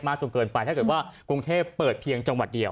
จนเกินไปถ้าเกิดว่ากรุงเทพเปิดเพียงจังหวัดเดียว